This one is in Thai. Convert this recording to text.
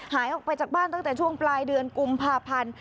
หายออกไปจากบ้านตั้งแต่ช่วงปลายเดือนกุมภาพันธ์